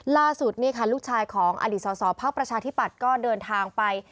ล่าสุดนี่ค่ะลูกชายของอศภพธิปัตรก็เดินทางไป